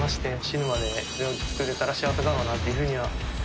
死ぬまで料理作れたら幸せだろうなっていうふうには。